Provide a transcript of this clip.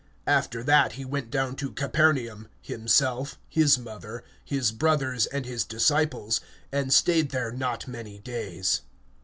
(12)After this he went down to Capernaum, he, and his mother, and his brothers, and his disciples; and they abode there not many days.